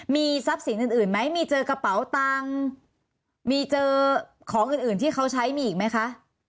มีทรัพย์สินอื่นไหมมีเจอกระเป๋าตังค์มีเจอของอื่นอื่นที่เขาใช้มีอีกไหมคะ